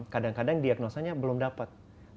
kadang kadang diagnosanya belum dapat